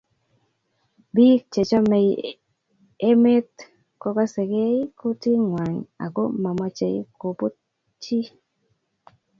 Bik chechomei emet kokasekei kutitngwai ako momoche kobut chi